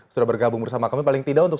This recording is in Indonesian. sudah bergabung bersama kami paling tidak untuk